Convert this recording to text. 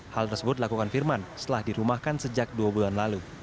hal tersebut dilakukan firman setelah dirumahkan sejak dua bulan lalu